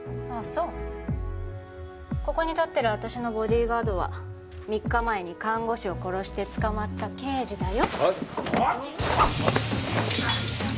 そうここに立ってる私のボディーガードは３日前に看護師を殺して捕まった刑事だよあっ！？